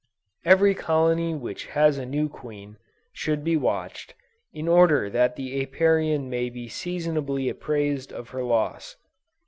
Every colony which has a new queen, should be watched, in order that the Apiarian may be seasonably apprised of her loss.